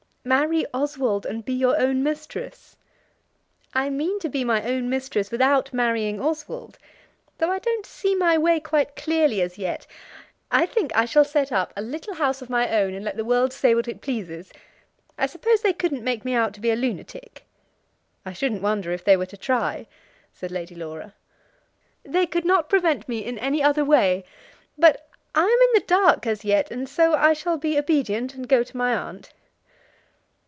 "Marry Oswald, and be your own mistress." "I mean to be my own mistress without marrying Oswald, though I don't see my way quite clearly as yet. I think I shall set up a little house of my own, and let the world say what it pleases. I suppose they couldn't make me out to be a lunatic." "I shouldn't wonder if they were to try," said Lady Laura. "They could not prevent me in any other way. But I am in the dark as yet, and so I shall be obedient and go to my aunt."